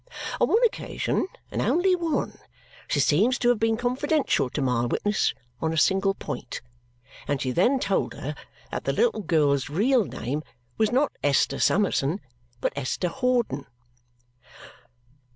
On one occasion, and only one, she seems to have been confidential to my witness on a single point, and she then told her that the little girl's real name was not Esther Summerson, but Esther Hawdon."